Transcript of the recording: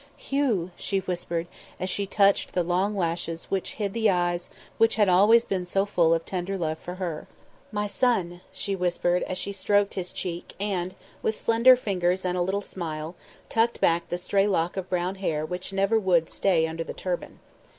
"Hugh!" She whispered, as she touched the long lashes which hid the eyes which had always been so full of tender love for her. "My son!" she whispered as she stroked his cheek and, with slender fingers and a little smile, tucked back the stray lock of brown hair which never would stay under the turban.